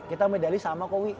kita medali sama kok wi